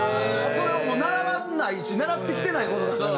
それはもう習わないし習ってきてない事だから。